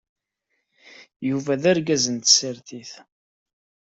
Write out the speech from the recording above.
Yuba d argaz n tsertit.